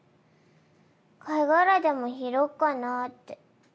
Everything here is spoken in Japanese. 貝殻でも拾おっかなって。